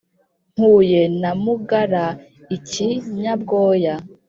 Mpuye na Mugara-Ikinyabwoya.